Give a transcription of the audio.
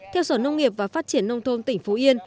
theo sở nông nghiệp và phát triển nông thôn tỉnh phú yên